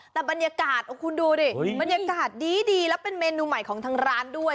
แต่บรรยากาศคุณดูดิบรรยากาศดีแล้วเป็นเมนูใหม่ของทางร้านด้วย